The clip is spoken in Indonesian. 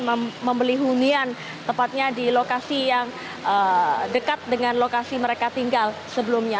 jadi mereka akan membeli hunian tepatnya di lokasi yang dekat dengan lokasi mereka tinggal sebelumnya